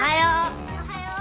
おはよう。